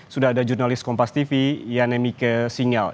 sudah ada jurnalis kompas tv yanemike singyal